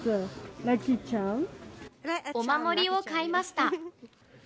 お守りを買いました。